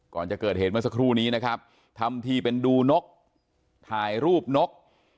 ก่อนจะเกิดเหตุเมื่อสักครู่นี้นะครับทำทีเป็นดูนกถ่ายรูปนก